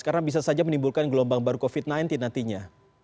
karena bisa saja menimbulkan gelombang baru covid sembilan belas nantinya